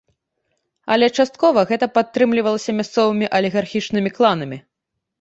Але часткова гэта падтрымлівалася мясцовымі алігархічнымі кланамі.